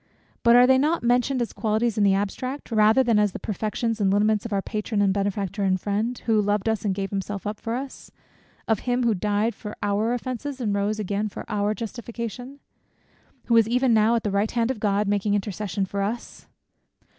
But are not these mentioned as qualities in the abstract, rather than as the perfections and lineaments of our patron and benefactor and friend, "who loved us, and gave himself for us;" of him "who died for our offences, and rose again for our justification;" who is even now at the "right hand of God, making intercession for us?"